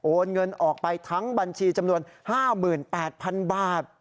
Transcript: เงินออกไปทั้งบัญชีจำนวน๕๘๐๐๐บาท